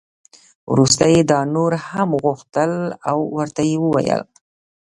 وروسته یې دا نور هم وغوښتل او ورته یې وویل.